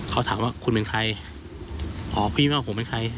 เขาถามว่าคุณเป็นใครอ๋อพี่ไม่รู้ว่าผมเป็นใคร